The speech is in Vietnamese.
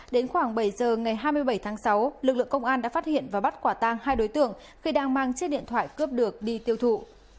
đến khoảng bảy giờ ngày hai mươi bảy tháng sáu lực lượng công an đã phát hiện và bắt quả tang hai đối tượng khi đang mang chiếc điện thoại cướp được đi tiêu thụ